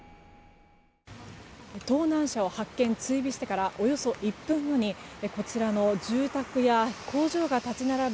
盗難車を発見、追尾してからおよそ１分後に住宅や工場が立ち並ぶ